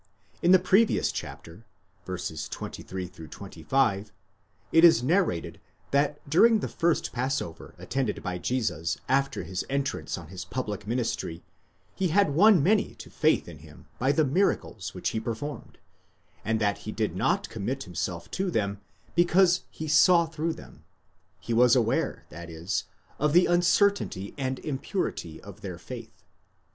In the previous chapter (23 25) it is narrated, that during the first passover attended by Jesus after his entrance on his public ministry, he had won many to faith in him by the mzracles, σημεῖα, which he performed, but that he did not commit himself to them because he saw through them: he was aware, that is, of the uncertainty and impurity of their faith.